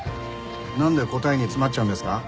なんで答えに詰まっちゃうんですか？